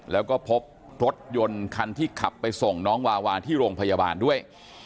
แล้วก็พบรถยนต์คันที่ขับไปส่งน้องวาวาที่โรงพยาบาลด้วย